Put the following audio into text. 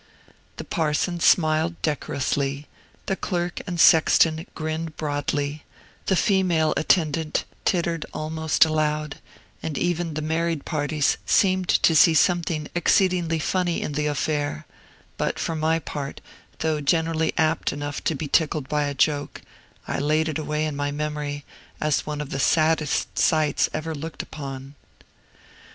The parson smiled decorously, the clerk and the sexton grinned broadly, the female attendant tittered almost aloud, and even the married parties seemed to see something exceedingly funny in the affair; but for my part, though generally apt enough to be tickled by a joke, I laid it away in my memory as one of the saddest sights I ever looked upon.